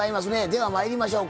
ではまいりましょうか。